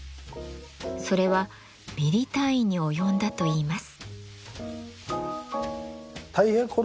それはミリ単位に及んだといいます。